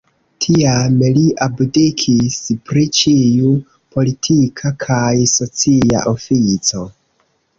Tiam li abdikis pri ĉiu politika kaj socia ofico.